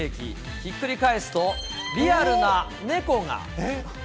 ひっくり返すと、リアルな猫が。